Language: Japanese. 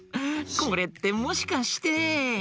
これってもしかして。